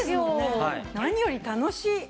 何より楽しい。